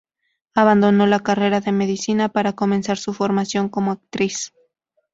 Abandonó la carrera de medicina para comenzar su formación como actriz.